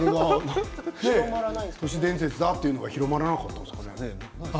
都市伝説ということが広まらなかったんですね。